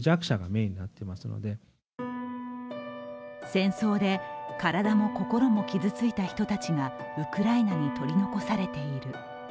戦争で体も心も傷ついた人たちがウクライナに取り残されている。